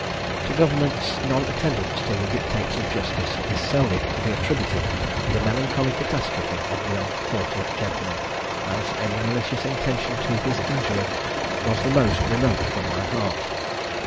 To government's non attendance to the dictates of justice is solely to be attributed the melancholy catastrophe of the unfortunate gentleman, as any malicious intention to his injury was the most remote from my heart.